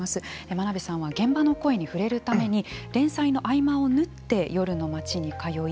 真鍋さんは現場の声に触れるために連載の合間を縫って夜の街に通い